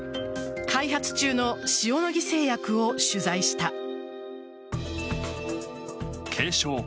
開発中の塩野義製薬を取材した。